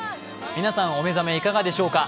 皆さんお目覚めいかがでしょうか。